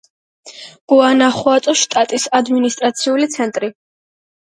გუანახუატოს შტატის ადმინისტრაციული ცენტრი.